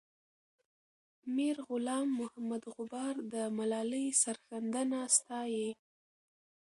میرغلام محمد غبار د ملالۍ سرښندنه ستايي.